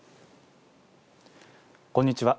こんにちは。